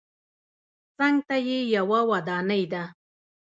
څنګ ته یې یوه ودانۍ ده.